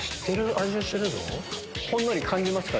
ほんのり感じますか？